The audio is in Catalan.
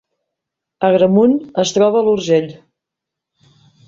Agramunt es troba a l’Urgell